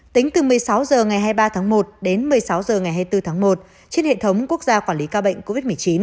tính từ một mươi sáu h ngày hai mươi ba tháng một đến một mươi sáu h ngày hai mươi bốn tháng một trên hệ thống quốc gia quản lý ca bệnh covid một mươi chín